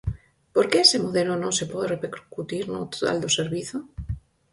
¿Por que ese modelo non se pode repercutir no total do servizo?